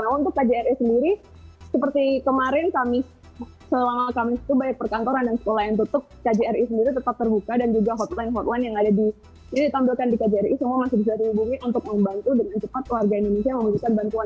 nah untuk kjri sendiri seperti kemarin selama kamis itu baik perkantoran dan sekolah yang tutup kjri sendiri tetap terbuka dan juga hotline hotline yang ditampilkan di kjri semua masih bisa dihubungi untuk membantu dengan cepat warga indonesia yang membutuhkan bantuan